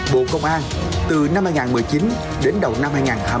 bộ công an từ năm hai nghìn một mươi chín đến đầu năm hai nghìn hai mươi